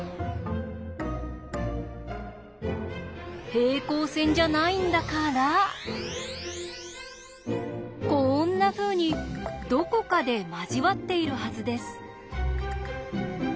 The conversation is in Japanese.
平行線じゃないんだからこんなふうにどこかで交わっているはずです。